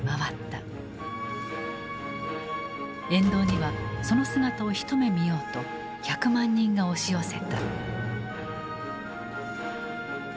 沿道にはその姿を一目見ようと１００万人が押し寄せた。